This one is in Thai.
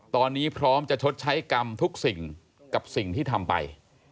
ตอนนี้พร้อมจะชดใช้กรรมทุกสิ่งกับสิ่งที่ทำไป